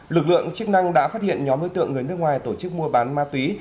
lực lượng chức năng đã phát hiện nhóm đối tượng người nước ngoài tổ chức mua bán ma túy